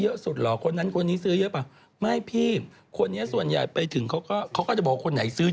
คือเวลาคนอื่นเข้ามาพูดก็คือ